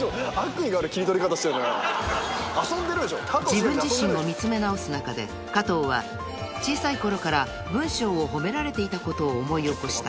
［自分自身を見つめ直す中で加藤は小さいころから文章を褒められていたことを思い起こした］